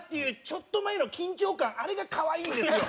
ちょっと前の緊張感あれが可愛いんですよ。